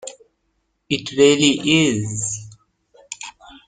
It really is.